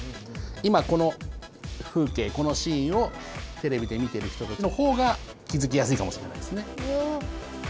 今この風景このシーンをテレビで見てる人たちのほうが気づきやすいかもしれないですね。